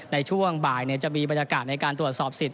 ในช่วงบ่ายจะมีบรรยากาศในการตรวจสอบสิทธิ